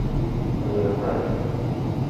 Ɣelqen.